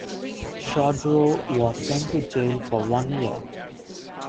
Chodorow was sent to jail for one year.